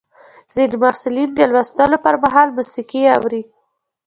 ځینې محصلین د لوستلو پر مهال موسیقي اوري.